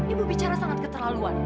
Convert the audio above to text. ibu bicara sangat kecelaluan